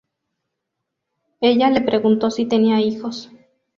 Ella le preguntó si tenía hijos.